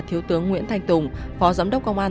thiếu tướng nguyễn thanh tùng phó giám đốc công an